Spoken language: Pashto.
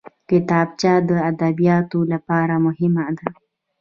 کتابچه د ادبیاتو لپاره مهمه ده